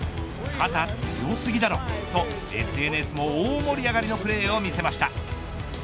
肩、強すぎだろうとＳＮＳも大盛り上がりのプレーを見せました。